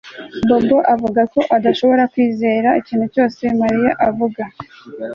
Bobo avuga ko adashobora kwizera ikintu cyose Mariya avuga